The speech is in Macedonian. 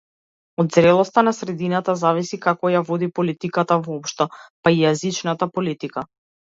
Од зрелоста на средината зависи како ја води политиката воопшто, па и јазичната политика.